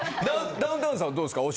ダウンタウンさんはどうですか？